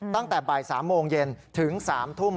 ตั้งแต่บ่าย๓โมงเย็นถึง๓ทุ่ม